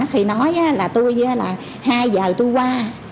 thì nói là tôi là hai h tôi qua